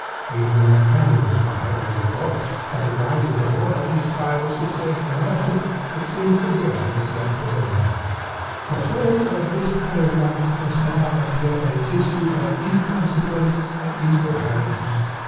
Even when a cannon is fired over a corpse, and it rises before at least five or six days' immersion, it sinks again if let alone.' "The whole of this paragraph must now appear a tissue of inconsequence and incoherence.